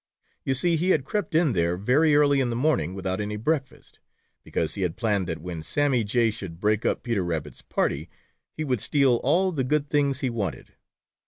You see, he had crept in there very early in the morning without any breakfast, because he had planned that when Sammy Jay should break up Peter Rabbit's party, he would steal all the good things he wanted.